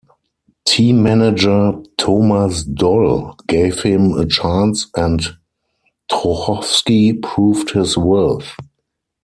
Team manager Thomas Doll gave him a chance and Trochowski proved his worth.